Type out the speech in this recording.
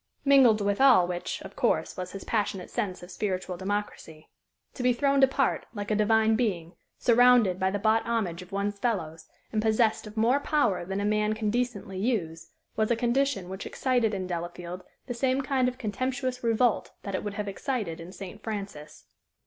Mingled with all which, of course, was his passionate sense of spiritual democracy. To be throned apart, like a divine being, surrounded by the bought homage of one's fellows, and possessed of more power than a man can decently use, was a condition which excited in Delafield the same kind of contemptuous revolt that it would have excited in St. Francis.